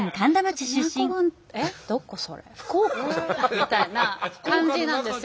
みたいな感じなんですよ。